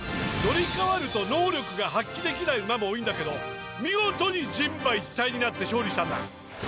乗り変わると能力が発揮できない馬も多いんだけど見事に人馬一体になって勝利したんだ。